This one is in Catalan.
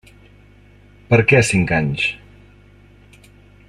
Per què cinc anys?